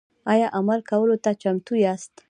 ایا عمل کولو ته چمتو یاست؟